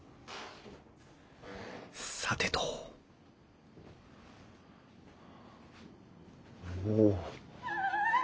さてとおお。